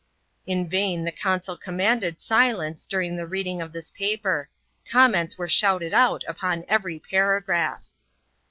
In vain the consul com onded silence during the reading of this paper ; comments ere shouted out upon every paragraph.